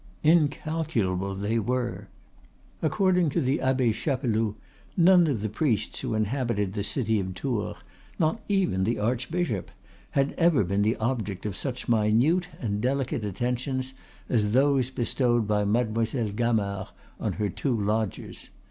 Incalculable they were! According to the Abbe Chapeloud none of the priests who inhabited the city of Tours, not even the archbishop, had ever been the object of such minute and delicate attentions as those bestowed by Mademoiselle Gamard on her two lodgers.